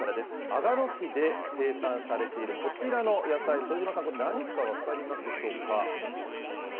阿賀野市で生産されているこちらの野菜、副島さん、これ何か分かりますでしょうか。